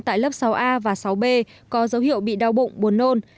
tại lớp sáu a và sáu b có dấu hiệu bị đau bụng buồn nôn